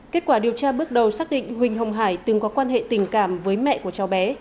kết quả điều tra bước đầu xác định huỳnh hồng hải từng có quan hệ tình cảm với mẹ của cháu bé